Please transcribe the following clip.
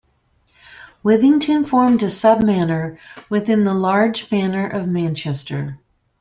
Withington formed a sub-manor within the large Manor of Manchester.